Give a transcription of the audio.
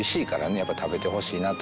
やっぱり食べてほしいなと。